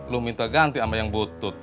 lo minta ganti sama yang butut